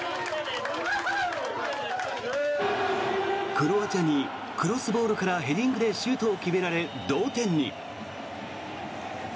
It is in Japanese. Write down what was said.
クロアチアにクロスボールからヘディングでシュートを決められ同点に。